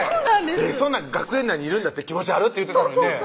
「そんなん学園内にいるんだって気持ち悪！」って言ってたのにね